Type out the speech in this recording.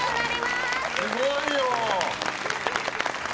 ・すごいよ。